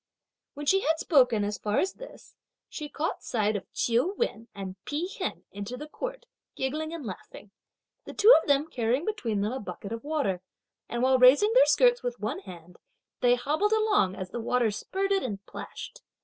When she had spoken as far as this, she caught sight of Ch'iu Wen and Pi Hen enter the court, giggling and laughing; the two of them carrying between them a bucket of water; and while raising their skirts with one hand, they hobbled along, as the water spurted and plashed.